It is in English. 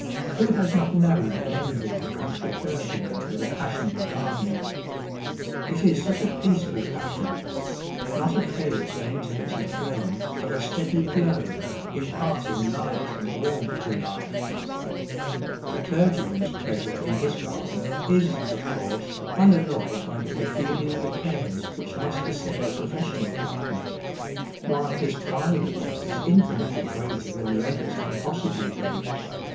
AVho has not known and envied the country clergyman with a passion for gardening ? It is such a peaceful pas sion ; not a fierce and intermittent flame, but a steady glow, impart ing light and warmth to life. The clergyman's pleasure in his garden is, of course, unalloyed by the pecuniary cares which must beset the professional gardener ; while his pride in it is infinitely greater than the other's can possibly be.